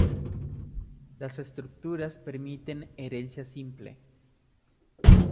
Las estructuras permiten herencia simple.